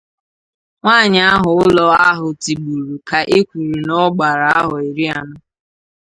Nwaanyị ahụ ụlọ ahụ tigburu ka e kwuru na ọ gbàrà ahọ iri anọ